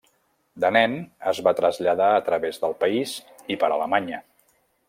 De nen, es va traslladar a través del país i per Alemanya.